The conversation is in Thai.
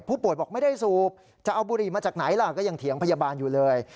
บอกไม่ได้สูบจะเอาบุหรี่มาจากไหนล่ะก็ยังเถียงพยาบาลอยู่เลย